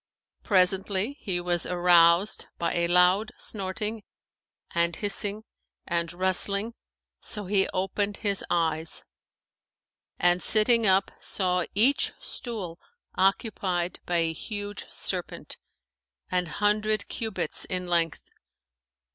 Presently, he was aroused by a loud snorting and hissing and rustling, so he opened his eyes; and, sitting up, saw each stool occupied by a huge serpent, an hundred cubits in length.